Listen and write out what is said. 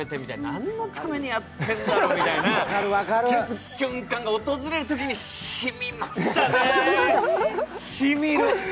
何のためにやってるんだろうみたいな瞬間が訪れるときに、しみましたね、しみる！